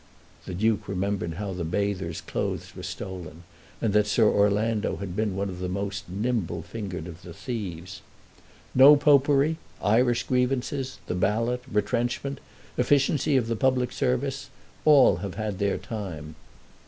The Duke remembered how the bathers' clothes were stolen, and that Sir Orlando had been one of the most nimble fingered of the thieves. "No popery, Irish grievances, the ballot, retrenchment, efficiency of the public service, all have had their time."